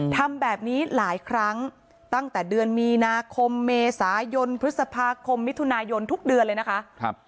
ทำแบบนี้หลายครั้งตั้งแต่เดือนมีนาคมเมษายนพฤษภาคมมิถุนายนทุกเดือนเลยนะคะ